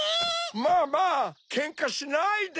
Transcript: まぁまぁケンカしないで。